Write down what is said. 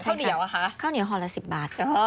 ข้าวเหนียวอะคะข้าวเหนียวห่อละ๑๐บาท